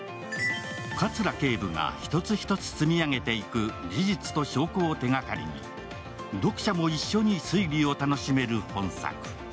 葛警部が一つ一つ積み上げていく事実と証拠を手がかりに読者も一緒に推理を楽しめる本作。